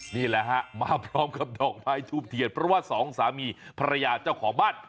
นี่แหละฮะมาพร้อมกับดอกไม้ทูบเทียนเพราะว่าสองสามีภรรยาเจ้าของบ้าน